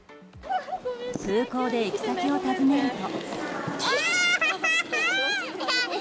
空港で行き先を尋ねると。